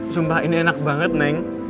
sumpah ini enak banget neng